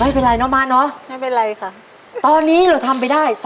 ไม่เป็นไรเนาะม้าเนอะไม่เป็นไรค่ะตอนนี้เราทำไปได้